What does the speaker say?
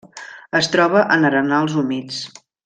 Es troba en arenals humits.